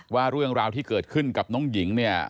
ว่าเรื่องราวที่เกิดขึ้นกับน้องหญิงเนี่ย